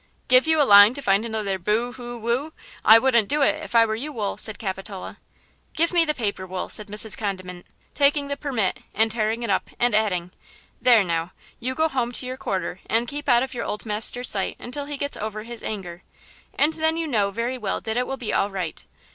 "Give you a line to find another boo hoo woo! I wouldn't do it, if I were you, Wool," said Capitola. "Give me the paper, Wool," said Mrs. Condiment, taking the "permit" and tearing it up, and adding: "There, now, you go home to your quarter, and keep out of your old master's sight until he gets over his anger, and then you know very well that it will be all right.